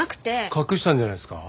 隠したんじゃないですか？